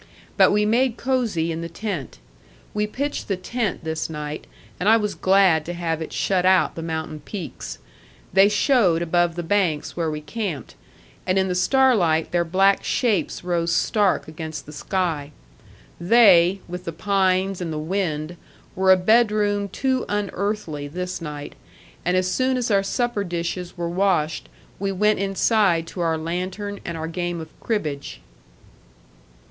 But we made cosey in the tent. We pitched the tent this night, and I was glad to have it shut out the mountain peaks. They showed above the banks where we camped; and in the starlight their black shapes rose stark against the sky. They, with the pines and the wind, were a bedroom too unearthly this night. And as soon as our supper dishes were washed we went inside to our lantern and our game of cribbage.